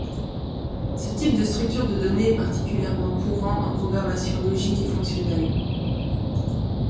Ce type de structures de données est particulièrement courant en programmation logique et fonctionnelle.